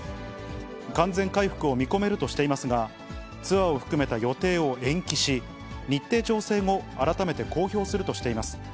完全回復を見込めるとしていますが、ツアーを含めた予定を延期し、日程調整後、改めて公表するとしています。